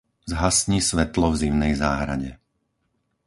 Zhasni svetlo v zimnej záhrade.